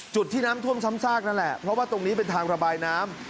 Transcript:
จุดที่น้ำท่วมซ้ำซากนั่นแหละเพราะว่าตรงนี้เป็นทางระบายน้ำ